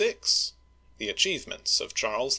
XLVI. THE ACHIEVEMENTS OF CHARLES V.